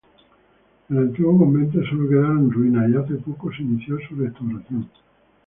Del antiguo convento sólo quedaron ruinas, y hace poco se inició su restauración.